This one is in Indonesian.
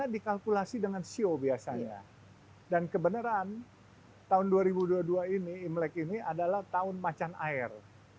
karena dikalkulasi dengan sio biasanya dan kebenaran tahun dua ribu dua puluh dua ini imlek ini adalah tahun macan air